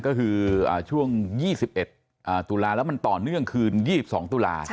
ก็คืออ่าช่วงยี่สิบเอ็ดอ่าตุลาห์แล้วมันต่อเนื่องคืนยี่สิบสองตุลาห์ใช่ไหม